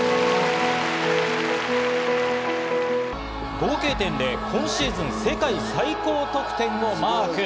合計点で今シーズン世界最高得点をマーク。